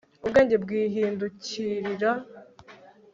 ubwenge bwihindukirira